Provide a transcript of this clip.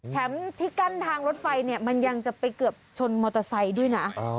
แถมที่กั้นทางรถไฟเนี่ยมันยังจะไปเกือบชนมอเตอร์ไซค์ด้วยนะ